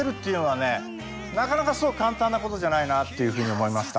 なかなかそう簡単なことじゃないなっていうふうに思いました。